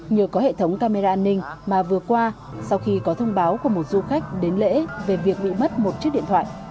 nhờ có hệ thống camera an ninh mà vừa qua sau khi có thông báo của một du khách đến lễ về việc bị mất một chiếc điện thoại